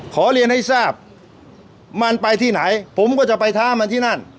ขอเรียนให้ทราบมันไปที่ไหนผมก็จะไปท้ามันที่นั่น